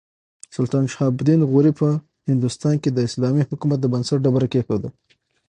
سلطان شهاب الدین غوري په هندوستان کې د اسلامي حکومت د بنسټ ډبره کېښوده.